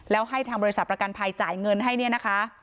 แล้วให้ทางบริษัทประกันภัยจ่ายเงินให้เนี่ยนะคะ